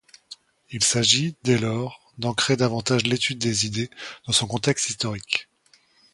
Il s’agit, dès lors, d’ancrer davantage l’étude des idées dans son contexte historique.